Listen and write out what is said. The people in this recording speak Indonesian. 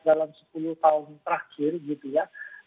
dalam sepuluh tahun terakhir gitu ya